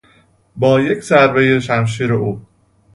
با یک ضربهی شمشیر او